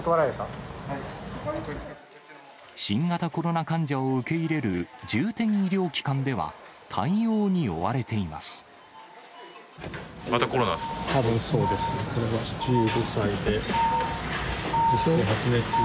新型コロナ患者を受け入れる重点医療機関では、対応に追われています。